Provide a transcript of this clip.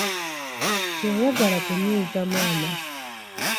Teyayagala kunnyiza maama.